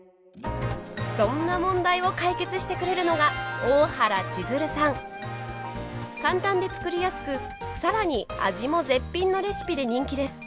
そんな問題を解決してくれるのが簡単で作りやすくさらに味も絶品のレシピで人気です。